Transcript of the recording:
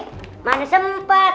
jangan jangan jangan